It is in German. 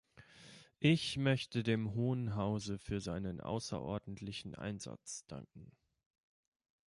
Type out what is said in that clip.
Ich möchte dem Hohen Hause für seinen außerordentlichen Einsatz danken.